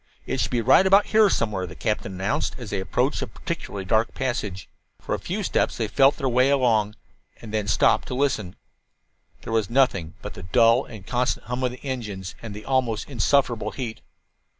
"It should be right about here somewhere," the captain announced, as they approached a particularly dark passage. For a few steps they felt their way along, and then stopped to listen. There was nothing but the dull and constant hum of the engines and the almost insufferable heat.